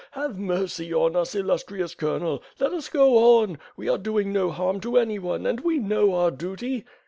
Have mercy on us, il lustrious Colonel. Ijet us go on. We are doing no harm to anyone and we know our duty."